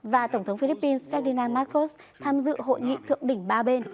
và tổng thống philippines serian marcos tham dự hội nghị thượng đỉnh ba bên